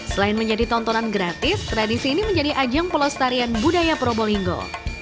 selain menjadi tontonan gratis tradisi ini menjadi ajang pelestarian budaya probolinggo